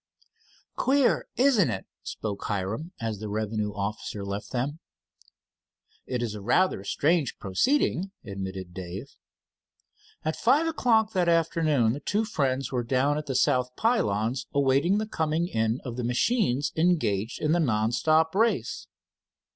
"Queer, isn't it?" spoke Hiram, as the revenue officer left them. "It is a rather strange proceeding," admitted Dave. At five o'clock that afternoon the two friends were down at the south pylons awaiting the coming in of the machines engaged in the non stop race.